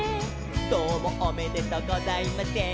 「どうもおめでとうございません」